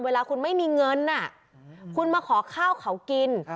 เวลาคุณไม่มีเงินคุณมาขอข้าวเขากิน